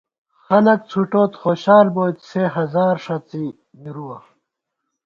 خلَک څھُٹوٹ خوشال بوئیت سے ہزار ݭڅی مِرُوَہ